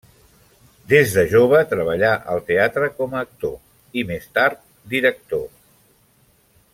Des de jove treballà al teatre com a actor i, més tard, director.